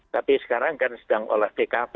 tapi sekarang kan sedang oleh pkp